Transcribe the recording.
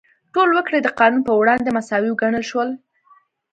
ټول وګړي د قانون په وړاندې مساوي وګڼل شول.